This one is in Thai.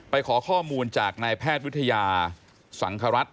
ขอข้อมูลจากนายแพทย์วิทยาสังครัฐ